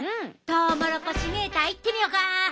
トウモロコシメーターいってみよか。